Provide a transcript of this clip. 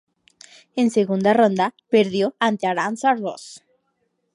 En segunda ronda, perdió ante Arantxa Rus.